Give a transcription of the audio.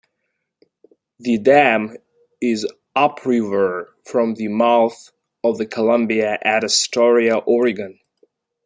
The dam is upriver from the mouth of the Columbia at Astoria, Oregon.